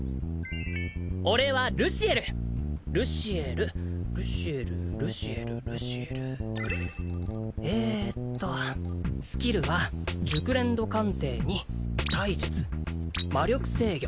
俺はルシエルルシエルルシエルルシエルルシエルえっとスキルは熟練度鑑定に体術魔力制御